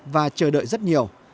và chờ đợi rất nhiều